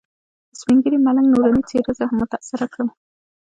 د سپین ږیري ملنګ نوراني څېرې زه هم متاثره کړم.